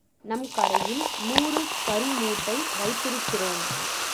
நம் கடையில் நூறு கரி மூட்டை வைத்திருக்கிறோம்.